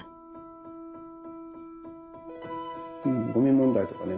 うんゴミ問題とかね